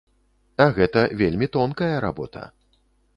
А гэта вельмі тонкая работа.